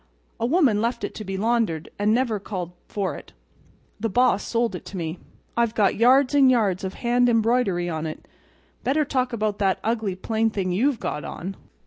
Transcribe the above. A woman left it to be laundered, and never called for it. The boss sold it to me. It's got yards and yards of hand embroidery on it. Better talk about that ugly, plain thing you've got on."